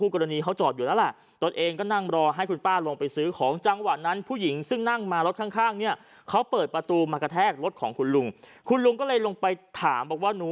เขาเปิดประตูมากระแทกรถของคุณลุงคุณลุงก็เลยลงไปถาม